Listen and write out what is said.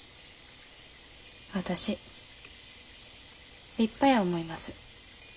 私立派や思います。